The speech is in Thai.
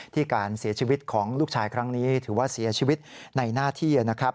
การเสียชีวิตของลูกชายครั้งนี้ถือว่าเสียชีวิตในหน้าที่นะครับ